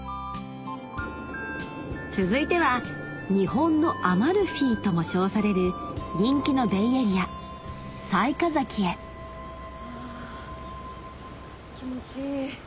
続いては「日本のアマルフィ」とも称される人気のベイエリア雑賀崎へうわぁ気持ちいい。